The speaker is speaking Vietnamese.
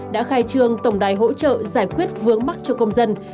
đã khai trương tổng đài hỗ trợ giải quyết vướng mắc cho công dân